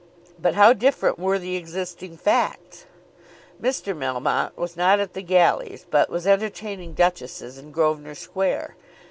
But how different were the existing facts? Mr. Melmotte was not at the galleys, but was entertaining duchesses in Grosvenor Square.